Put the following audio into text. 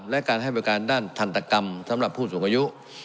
และการให้บริการด้านทันตกรรมสำหรับผู้สูงอายุ